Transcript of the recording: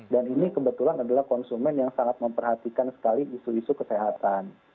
dan ini kebetulan adalah konsumen yang sangat memperhatikan sekali isu isu kesehatan